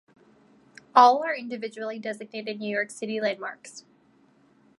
All are individually designated New York City landmarks.